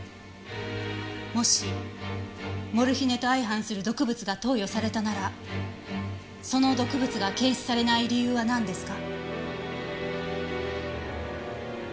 もしモルヒネと相反する毒物が投与されたならその毒物が検出されない理由はなんですか？